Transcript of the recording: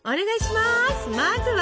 まずは？